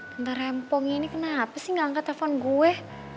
tentang rempong ini kenapa sih gak angkat telepon gue